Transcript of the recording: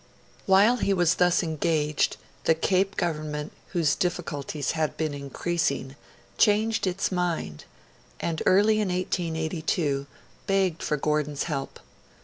While he was thus engaged, the Cape Government, whose difficulties had been increasing, changed its mind, and early in 1882, begged for Gordon's help.